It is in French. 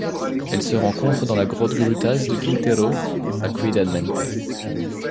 Elle se rencontre dans la grotte Grutas de Quintero à Ciudad Mante.